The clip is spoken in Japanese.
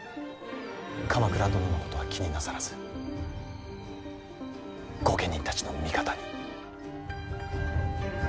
鎌倉殿のことは気になさらず御家人たちの味方に。